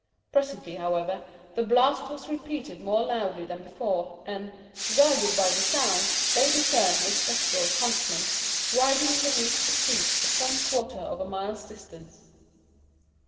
Presently, however, the blast was repeated more loudly than before, and, guided by the sound, they discerned the spectral huntsman riding beneath the trees at some quarter of a mile's distance.